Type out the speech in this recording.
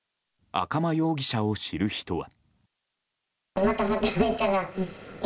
赤間容疑者を知る人は。